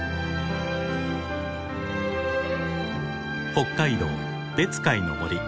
北海道別海の森。